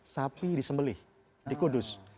sapi disembelih di kudus